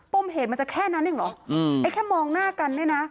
ป้มเหตุมันจะแค่นั้นอีกหรืออืมไอแค่มองหน้ากันด้วยน่ะ